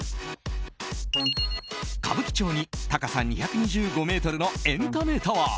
歌舞伎町に高さ２２５ｍのエンタメタワー